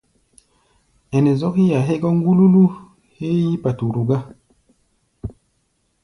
Ɛnɛ zɔ́k yí-a hégɔ́ ŋgúlúlú héé yí-paturu gá wo.